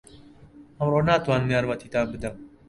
ئەمڕۆ ناتوانم یارمەتیتان بدەم.